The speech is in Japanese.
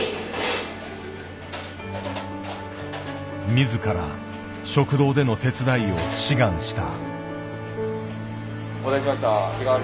自ら食堂での手伝いを志願した。